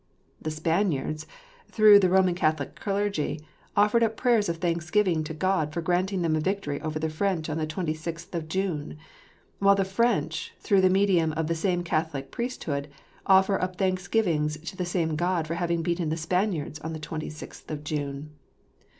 The Spaniards, through the Roman Catholic clergy, offered up prayers of thanksgiving to God for granting them a victory over the French on the 26th of June ; while the French, through the medium of the same Catholic priesthood, offer up thanksgivings to the same God for having beaten the Spaniards on the 26th of June